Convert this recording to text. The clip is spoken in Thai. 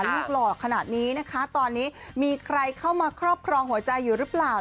ลูกหล่อขนาดนี้นะคะตอนนี้มีใครเข้ามาครอบครองหัวใจอยู่หรือเปล่า